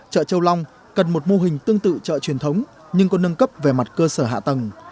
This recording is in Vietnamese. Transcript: chợ châu long cần một mô hình tương tự chợ truyền thống nhưng có nâng cấp về mặt cơ sở hạ tầng